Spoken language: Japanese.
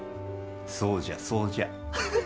そうじゃそうじゃ。